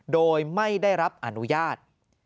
โดยไม่ได้รับอนุญาต